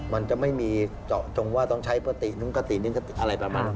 มันจะไม่มีจงว่าต้องใช้คตินึงคตินึงคติอะไรประมาณนั้น